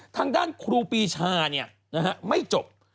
ทางด้านครูปีชาไม่จบ